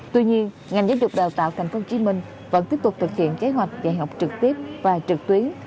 tuy nhiên ngành giáo dục đào tạo tp hcm vẫn tiếp tục thực hiện kế hoạch dạy học trực tiếp và trực tuyến